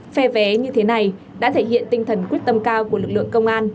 phe vé như thế này đã thể hiện tinh thần quyết tâm cao của lực lượng công an